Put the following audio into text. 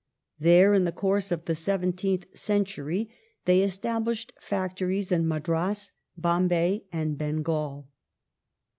There in the course of the seventeenth century they established factories in Madras, Bombay, and Bengal.